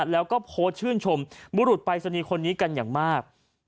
แล้วก็โพสต์ชื่นชมบุรุษปรายศนีย์คนนี้กันอย่างมาก